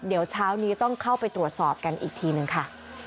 เดี๋ยวเช้านี้ต้องเข้าไปตรวจสอบกันอีกทีหนึ่งค่ะ